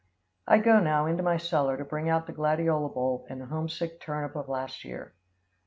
I go now into my cellar to bring out the gladiola bulb and the homesick turnip of last year.